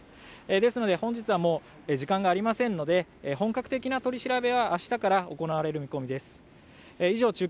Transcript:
ですので本日はもう時間がありませんので本格的な取り調べは明日から行われる見込みです。